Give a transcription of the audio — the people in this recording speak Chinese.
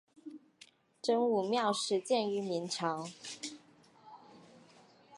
真武庙始建于明朝。